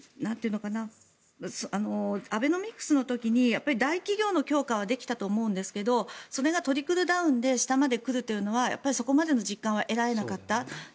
アベノミクスの時に大企業の強化はできたと思うんですがそれがトリクルダウンで下まで来るというのはそこまでの実感は得られなかった。